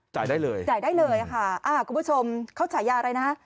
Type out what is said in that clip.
จ่ายได้เลยค่ะคุณผู้ชมเขาจ่ายยาอะไรนะ